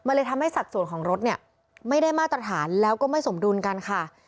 มันเลยทำให้สัดส่วนของรถเนี่ยไม่ได้มาตรฐานแล้วก็ไม่สมดุลกันค่ะ